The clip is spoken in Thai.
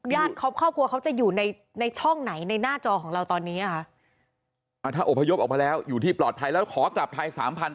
ครอบครัวเขาจะอยู่ในช่องไหนในหน้าจอของเราตอนนี้อ่ะคะถ้าอบพยพออกมาแล้วอยู่ที่ปลอดภัยแล้วขอกลับไทยสามพัน